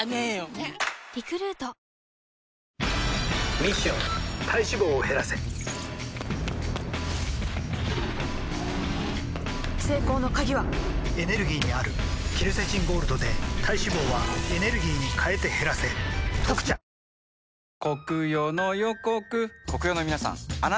ミッション体脂肪を減らせ成功の鍵はエネルギーにあるケルセチンゴールドで体脂肪はエネルギーに変えて減らせ「特茶」あれこれ食べたいみんなと食べたいん！